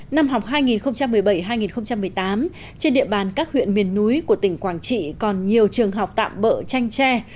năm học hai nghìn một mươi bảy hai nghìn một mươi tám trên địa bàn các huyện miền núi của tỉnh quảng trị còn nhiều trường học tạm bỡ tranh tre